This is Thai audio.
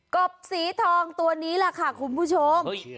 กบสีทองตัวนี้แหละค่ะคุณผู้ชม